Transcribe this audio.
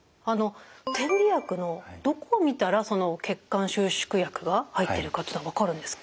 点鼻薬のどこを見たらその血管収縮薬が入ってるかというのは分かるんですか？